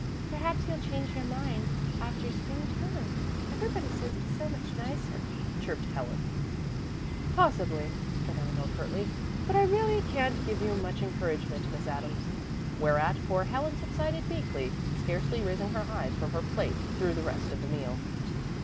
"Perhaps you'll change your mind after spring term. Everybody says it's so much nicer," chirped Helen. "Possibly," said Eleanor curtly, "but I really can't give you much encouragement, Miss Adams." Whereat poor Helen subsided meekly, scarcely raising her eyes from her plate through the rest of the meal.